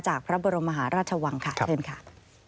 จากพระบรมหาราชวังค่ะครับเพลินค่ะ